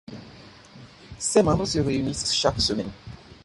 Ses membres se réunissent chaque semaine.